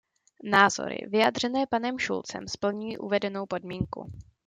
Názory vyjádřené panem Schulzem splňují uvedenou podmínku.